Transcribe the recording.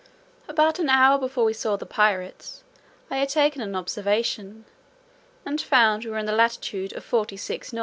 About an hour before we saw the pirates I had taken an observation, and found we were in the latitude of 46 N.